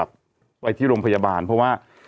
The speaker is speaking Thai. ไปที่โรงพยาบาลเพราะว่า